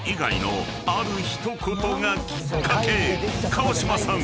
［川島さん